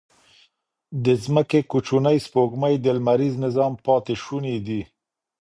د ځمکې کوچنۍ سپوږمۍ د لمریز نظام پاتې شوني دي.